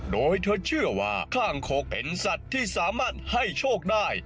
โดยเธอเชื่อว่าข้างโขกเป็นสัตว์ที่สามารถให้โชคได้